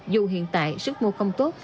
dù hiện tại sức mua không tốt